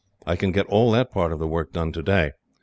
I can get all that part of the work done today.